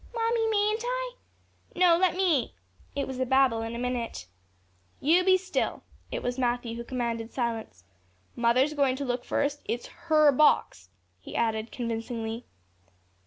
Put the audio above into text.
"Mammy, mayn't I?" "No, let me." It was a babel in a minute. "You be still." It was Matthew who commanded silence. "Mother's goin' to look first; it's her box," he added convincingly.